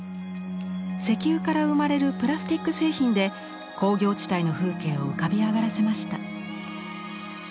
石油から生まれるプラスティック製品で工業地帯の風景を浮かび上がらせました。